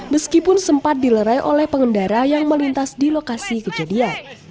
meskipun sempat dilerai oleh pengendara yang melintas di lokasi kejadian